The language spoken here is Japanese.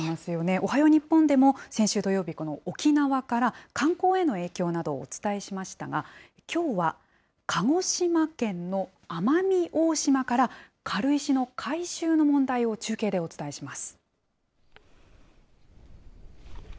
おはよう日本でも先週土曜日、この沖縄から観光への影響などをお伝えしましたが、きょうは鹿児島県の奄美大島から、軽石の回収の問題を中継でお伝えします。